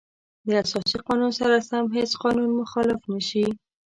د اساسي قانون سره سم هیڅ قانون مخالف نشي.